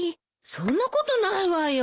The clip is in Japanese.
そんなことないわよ。